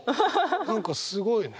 何かすごいね。